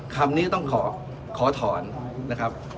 คำนี้ก็ต้องขอถอนนะครับ